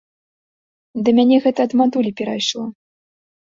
Да мяне гэта ад матулі перайшло.